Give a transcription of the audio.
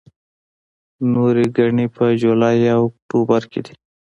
نورې ګڼې په جولای او اکتوبر کې دي.